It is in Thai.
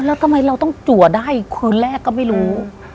แล้วทำไมเราต้องจัวได้คืนแรกก็ไม่รู้